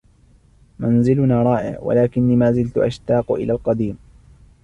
منزلنا رائع, ولكني ما زلت أشتاق إلى القديم.